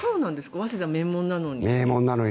早稲田、名門なのに。